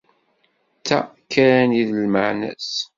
D ta kan i d lmeεna-s.